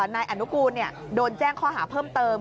นายอนุกูลโดนแจ้งข้อหาเพิ่มเติม